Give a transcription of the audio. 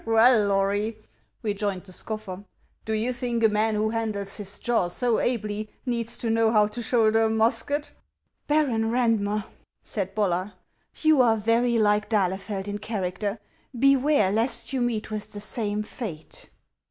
" Well, Lory," rejoined the scoffer, " do you think a man who handles his jaw so ably needs to know how to shoul der a musket ?"" Baron Raudmer," said Bollar, "you are very like d'Ahle feld in character ; beware lest you meet with the same fate."